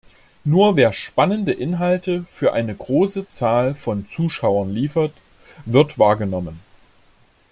Nur wer spannende Inhalte für eine große Zahl von Zuschauern liefert, wird wahrgenommen.